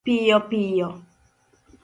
piyo piyo